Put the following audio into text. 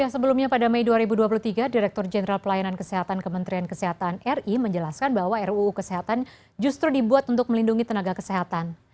sebelumnya pada mei dua ribu dua puluh tiga direktur jenderal pelayanan kesehatan kementerian kesehatan ri menjelaskan bahwa ruu kesehatan justru dibuat untuk melindungi tenaga kesehatan